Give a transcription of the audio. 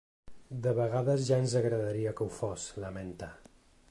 De vegades ja ens agradaria que ho fos, lamenta.